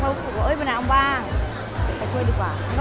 เลือกอะไรแล้วนะคะ